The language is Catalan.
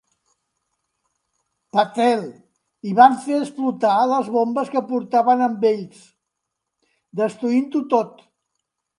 Patel, i van fer explotar les bombes que portaven amb ells, destruint-ho tot.